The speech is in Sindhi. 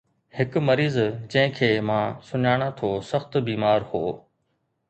هڪ مريض جنهن کي مان سڃاڻان ٿو سخت بيمار هو